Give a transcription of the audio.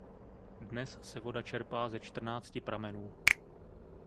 Dnes se voda čerpá ze čtrnácti pramenů.